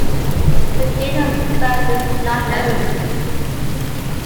The date of his birth is not known.